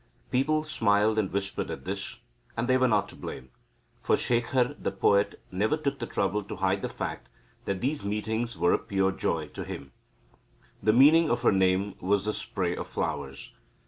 People smiled and whispered at this, and they were not to blame. For Shekhar the poet never took the trouble to hide the fact that these meetings were a pure joy to him. The meaning of her name was the spray of flowers.